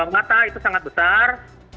mata itu sangat besar